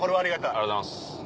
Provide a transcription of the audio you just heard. ありがとうございます。